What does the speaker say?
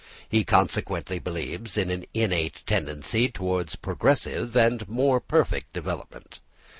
He consequently believes in an innate tendency towards progressive and more perfect development.